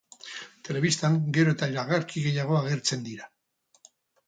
Telebistan gero eta iragarki gehiago agertzen dira.